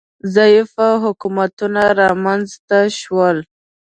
ضعیفه حکومتونه رامنځ ته شول